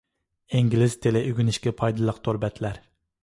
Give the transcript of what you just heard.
ئىنگلىز تىلى ئۆگىنىشكە پايدىلىق تور بەتلەر.